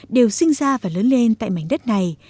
đều sinh ra và lớn lên tại mảnh đất này